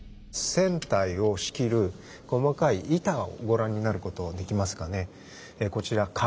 船体を仕切る細かい板をご覧になることできますかね。